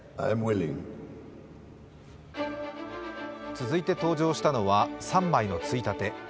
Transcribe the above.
続いて登場したのは３枚のついたて。